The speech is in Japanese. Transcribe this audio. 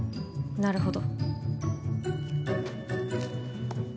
なるほど。